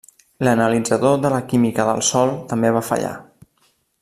L'analitzador de la química del sòl també va fallar.